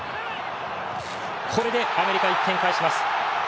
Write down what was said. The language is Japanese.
これでアメリカ、１点返します。